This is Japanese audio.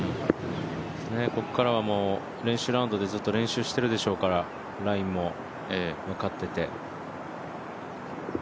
ここからはもう練習ラウンドでずっと練習してるでしょうから、ラインも分かってて。